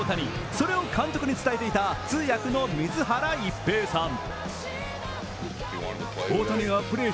それを監督に伝えていた通訳の水原一平さん。